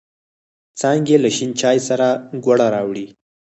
څانگې له شین چای سره گوړه راوړې.